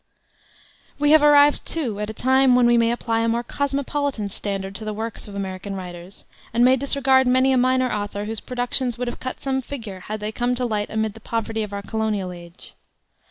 We have arrived, too, at a time when we may apply a more cosmopolitan standard to the works of American writers, and may disregard many a minor author whose productions would have cut some figure had they come to light amid the poverty of our colonial age.